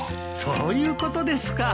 そういうことですか。